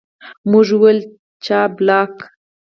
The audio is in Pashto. موږ وویل، جاپلاک.